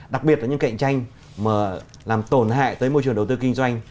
đặc biệt là những cạnh tranh làm tổn hại tới môi trường đầu tư kinh doanh